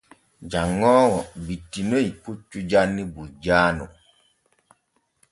Janŋoowo wittinoy puccu janni bujjaaŋu.